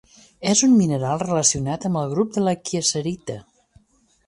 És un mineral relacionat amb el grup de la kieserita.